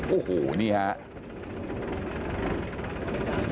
โอ้โหนี่ครับ